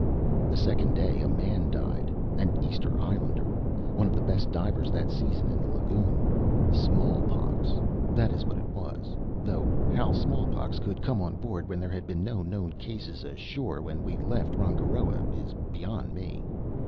The second day a man died an Easter Islander, one of the best divers that season in the lagoon. Smallpox that is what it was; though how smallpox could come on board, when there had been no known cases ashore when we left Rangiroa, is beyond me.